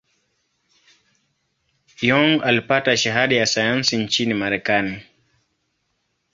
Young alipata shahada ya sayansi nchini Marekani.